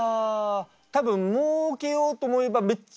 多分もうけようと思えばめっちゃもうかる。